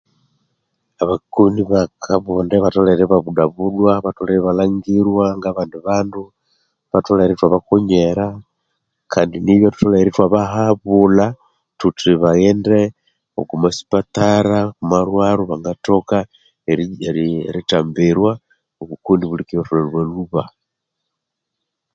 Abakoni bakabonde batholere ibabudwabudwa, ibalhangirwa ngabandi bandu batholere ithwabakonyera kandi nibya thutholere ithwabahabulha thuthi baghende okwa masipatara okwa ma Rwaro bangathoka erithambirwa obukoni bulekibathwalha lhubalhuba.